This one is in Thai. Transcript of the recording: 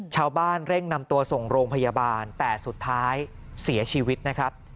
ชาวบ้านเร่งนำตัวส่งโรงพยาบาลแต่สุดท้ายเสียชีวิตนะครับ